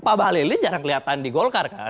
pak bahlil ini jarang kelihatan di golkar kan